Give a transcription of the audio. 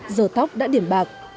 giờ tóc đã điểm bạc